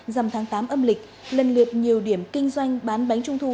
dầm tháng tám âm lịch lần liệt nhiều điểm kinh doanh bán bánh trung thu